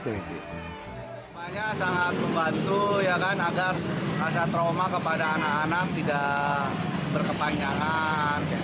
semuanya sangat membantu agar rasa trauma kepada anak anak tidak berkepanjangan